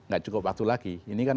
gak cukup waktu lagi